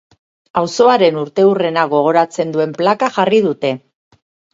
Auzoaren urteurrena gogoratzen duen plaka jarri dute.